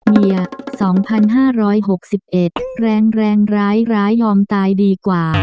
เมียสองพันห้าร้อยหกสิบเอ็ดแรงแรงร้ายร้ายยอมตายดีกว่า